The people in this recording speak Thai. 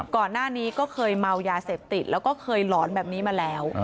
ก่อนหน้านี้ก็เคยเมายาเสพติดแล้วก็เคยหลอนแบบนี้มาแล้ว